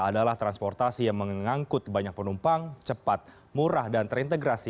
adalah transportasi yang mengangkut banyak penumpang cepat murah dan terintegrasi